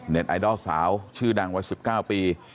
ไอดอลสาวชื่อดังวัย๑๙ปี